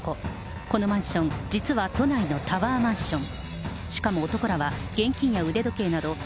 このマンション、実は都内のタワーマンション。